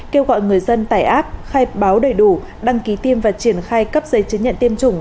kêu gọi người dân tải app khai báo đầy đủ đăng ký tiêm và triển khai cấp giấy chứng nhận tiêm chủng